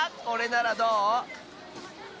これならどう？